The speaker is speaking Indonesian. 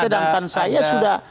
sedangkan saya sudah